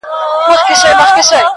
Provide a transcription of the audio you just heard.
زه مي د شرف له دایرې وتلای نسمه,